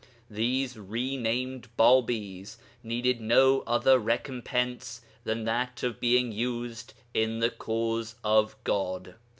These re named Bābīs needed no other recompense than that of being used in the Cause of God.